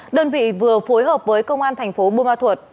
đơn vị vừa phối hợp với công an thành phố bô ma thuật